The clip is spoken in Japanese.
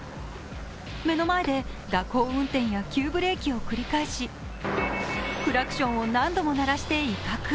目の前で蛇行運転や急ブレーキを繰り返し、クラクションを何度も鳴らして威嚇。